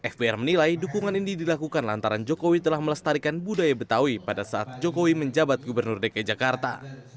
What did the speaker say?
fbr menilai dukungan ini dilakukan lantaran jokowi telah melestarikan budaya betawi pada saat jokowi menjabat gubernur dki jakarta